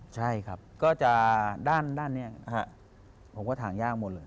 ใช่ครับก็จะด้านนี้ผมก็ถ่างยากหมดเลย